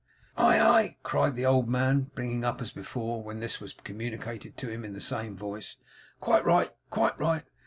'Aye, aye!' cried the old man, brightening up as before, when this was communicated to him in the same voice, 'quite right, quite right.